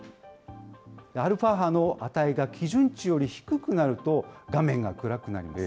アルファ波の値が基準値より低くなると、画面が暗くなります。